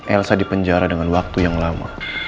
elsa dipenjara dengan waktu yang lama